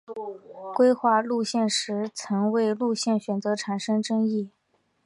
规划路线时曾为了路线选择产生争议。